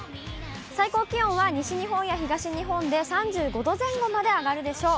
最高気温は西日本や東日本で３５度前後まで上がるでしょう。